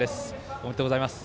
おめでとうございます。